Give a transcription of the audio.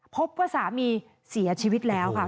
พบว่าสามีเสียชีวิตแล้วค่ะ